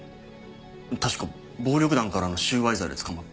確か暴力団からの収賄罪で捕まった？